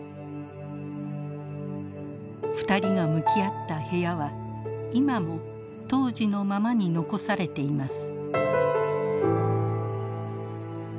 ２人が向き合った部屋は今も当時のままに残されています。